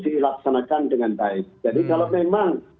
dilaksanakan dengan baik jadi kalau memang